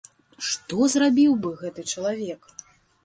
Што зрабіў бы гэты чалавек?